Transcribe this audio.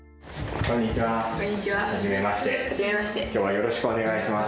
よろしくお願いします。